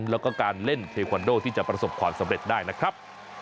แล้วก็การเล่นเทควันโดที่จะประสบความสำเร็จได้นะครับ